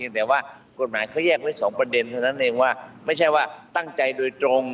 แต่ว่ากฎหมายเขาแยกไว้สองประเด็นเท่านั้นเองว่าไม่ใช่ว่าตั้งใจโดยตรง